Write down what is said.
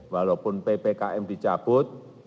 walaupun ppkm dicabut